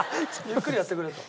ゆっくりやってくれと。